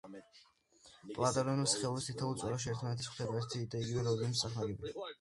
პლატონური სხეულის თითოეულ წვეროში ერთმანეთს ხვდება ერთი და იგივე რაოდენობის წახნაგები.